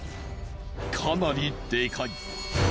かなりでかい。